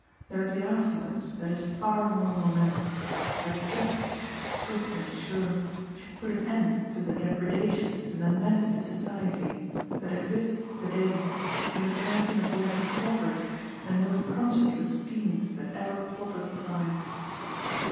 There is the afterwards that is of far more moment that justice, swift and sure, should put an end to the depredations and the menace to society that exists to day in the person of one of the cleverest and most conscienceless fiends that ever plotted crime.